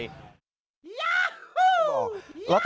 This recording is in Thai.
ย้าหู้ย้าหู้